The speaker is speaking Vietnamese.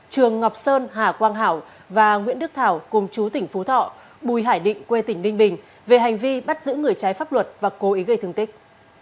trường ngọc sơn hà quang hảo và nguyễn đức thảo cùng chú tỉnh phú thọ bùi hải định quê tỉnh ninh bình về hành vi bắt giữ người trái pháp luật và cố ý gây thương tích